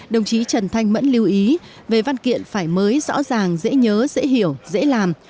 đồng chí trần thanh mẫn lưu ý về văn kiện phải mới rõ ràng dễ nhớ dễ hiểu dễ làm